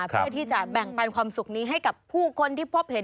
เพื่อที่จะแบ่งปันความสุขนี้ให้กับผู้คนที่พบเห็น